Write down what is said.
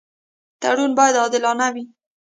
تړون باید عادلانه وي.